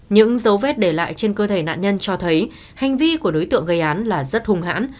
những dấu vết để lại trên cơ thể nạn nhân cho thấy hành vi của đối tượng gây án là rất hùng hãn